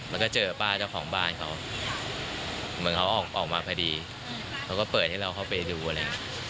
มันก็เจอป้าเจ้าของบ้านเขาเหมือนเขาออกมาพอดีเขาก็เปิดให้เราเข้าไปดูอะไรอย่างนี้